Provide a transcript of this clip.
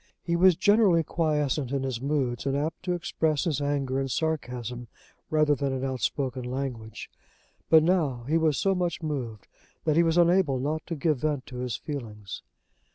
He was generally quiescent in his moods, and apt to express his anger in sarcasm rather than in outspoken language; but now he was so much moved that he was unable not to give vent to his feelings.